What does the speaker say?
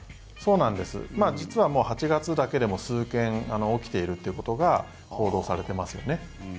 実は８月だけでも数件起きているということが報道されていますよね。